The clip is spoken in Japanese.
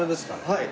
はい。